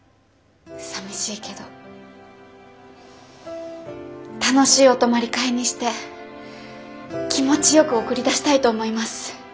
さみしいけど楽しいお泊まり会にして気持ちよく送り出したいと思います。